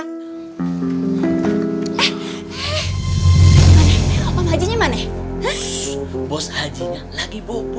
bos haji lagi bobo agak bisa diganggu bagus dong kalau haji lagi bobo